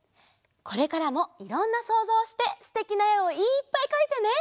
これからもいろんなそうぞうをしてすてきなえをいっぱいかいてね。